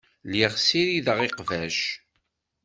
Lliɣ ssirideɣ iqbac.